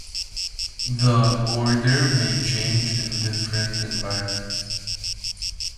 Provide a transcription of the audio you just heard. The order may change in different environments.